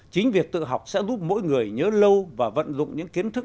chính việc tự học sẽ giúp mỗi người nhớ lâu và vận dụng những kiến thức